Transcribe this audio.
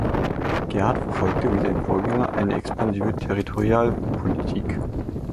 Gerhard verfolgte, wie seine Vorgänger, eine expansive Territorialpolitik.